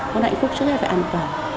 có hạnh phúc trước hết phải an toàn